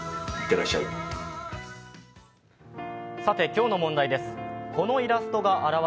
今日の問題です。